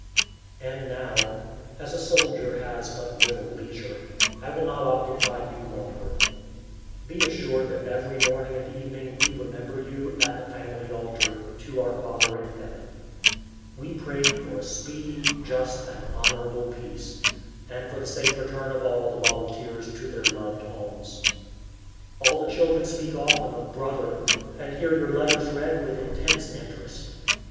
And now, as a soldier has but little leisure, I will not occupy you longer. Be assured that every morning and evening we remember you, at the family altar, to our Father in Heaven. We pray for "a speedy, just, and honorable peace," and for the safe return of all the volunteers to their loved homes. All the children speak often of "brother," and hear your letters read with intense interest.